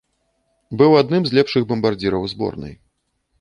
Быў адным з лепшых бамбардзіраў зборнай.